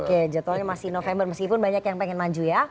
oke jadwalnya masih november meskipun banyak yang pengen maju ya